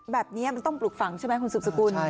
แบบนี้มันต้องปลูกฝังใช่ไหมคุณสุดสกุล